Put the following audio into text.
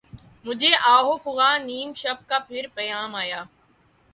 مجھے آہ و فغان نیم شب کا پھر پیام آیا